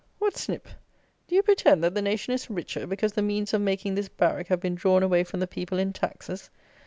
What, Snip! Do you pretend that the nation is richer, because the means of making this barrack have been drawn away from the people in taxes?